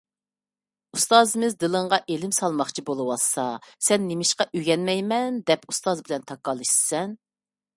ئۇستازىمىز دىلىڭغا ئىلىم سالماقچى بولۇۋاتسا، سەن نېمىشقا ئۆگەنمەيمەن دەپ، ئۇستاز بىلەن تاكاللىشىسەن؟